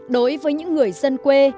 đối với những người dân quê